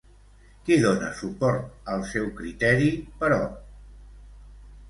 Qui dona suport al seu criteri, però?